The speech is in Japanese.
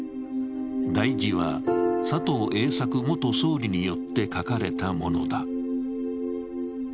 題字は佐藤栄作元総理によって書かれたものだ。